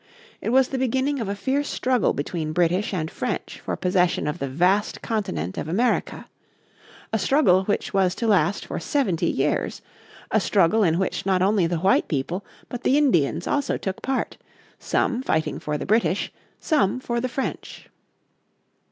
It was the beginning of a fierce struggle between British and French for possession of the vast continent of America a struggle which was to last for seventy years; a struggle in which not only the white people but the Indians also took part, some fighting for the British, some for the French.